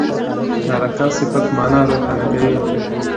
مرکب صفت مانا روښانه کوي.